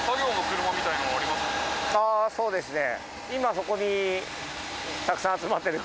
ああそうですね。